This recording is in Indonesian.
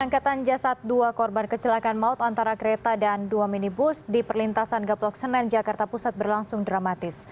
pengangkatan jasad dua korban kecelakaan maut antara kereta dan dua minibus di perlintasan gaplok senen jakarta pusat berlangsung dramatis